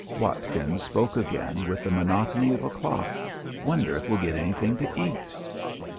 Watkins spoke again with the monotony of a clock, "Wonder if we'll git anythin' to eat."